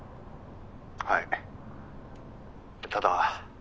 はいただ。